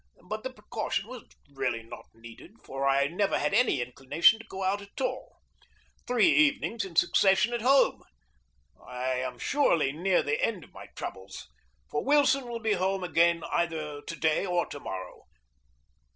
But the precaution was really not needed, for I never had any inclination to go out at all. Three evenings in succession at home! I am surely near the end of my troubles, for Wilson will be home again either today or tomorrow.